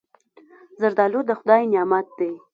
زردالو د خدای نعمت دی.